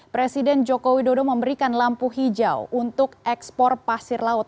presiden joko widodo memberikan lampu hijau untuk ekspor pasir laut